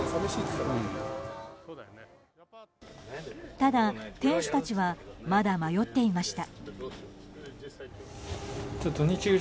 ただ、店主たちはまだ迷っていました。